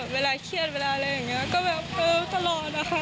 เวลาเครียดเวลาอะไรอย่างนี้ก็แบบเออตลอดนะคะ